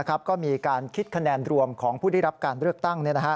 ก็มีการคิดคะแนนรวมของผู้ได้รับการเลือกตั้ง